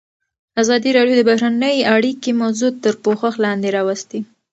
ازادي راډیو د بهرنۍ اړیکې موضوع تر پوښښ لاندې راوستې.